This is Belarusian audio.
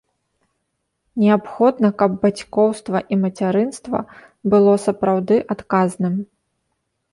Неабходна, каб бацькоўства і мацярынства было сапраўды адказным.